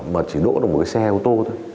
mà chỉ đỗ được một cái xe ô tô thôi